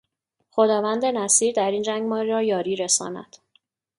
خداوند نصیر در این جنگ ما را یاری رساند.